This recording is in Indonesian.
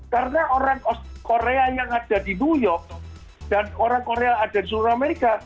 karena orang korea yang ada di new york dan orang korea yang ada di seluruh amerika